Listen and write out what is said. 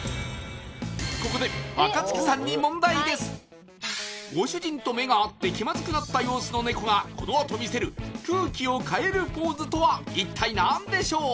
ここでご主人と目が合って気まずくなった様子のネコがこのあと見せる空気を変えるポーズとは一体何でしょう？